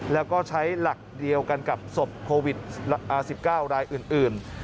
แล้วก็ใช้หลักเดียวกันกับศพโควิด๑๙รายอื่น